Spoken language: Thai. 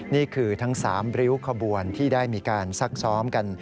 นี่คือทั้ง๓ริ้วขบวนที่ได้มีการซักซ้อมกัน